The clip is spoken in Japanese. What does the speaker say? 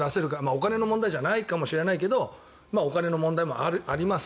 お金の問題じゃないかもしれないけどお金の問題もあります